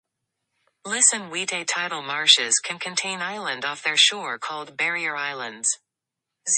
Tidal Marshes can contain island off their shore called barrier islands.